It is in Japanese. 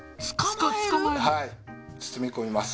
はい包み込みます。